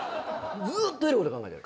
ずっとエロいこと考えてる。